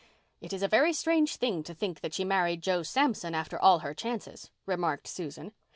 "It is a very strange thing to think that she married Joe Samson after all her chances," remarked Susan.